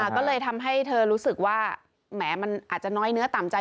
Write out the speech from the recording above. ก็เลยทำให้เธอรู้สึกว่าแหมมันอาจจะน้อยเนื้อต่ำใจ